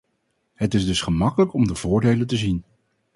Het is dus gemakkelijk om de voordelen te zien.